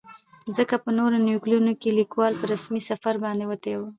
ځکه په نورو يونليکونو کې ليکوال په رسمي سفر باندې وتى و.